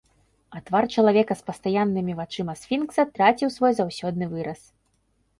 А твар чалавека з пастаяннымі вачыма сфінкса траціў свой заўсёдны выраз.